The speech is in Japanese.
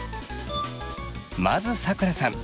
まずさくらさん。